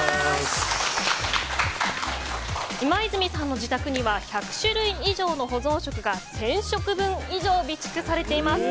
今泉さんの自宅には１００種類以上の保存食が１０００食分以上保存されています。